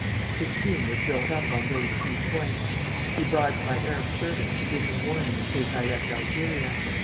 His scheme was built up on those three points. He bribed my Arab servants to give him warning in case I left Algeria.